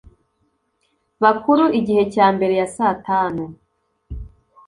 bakuru igihe cya mbere ya saa tanu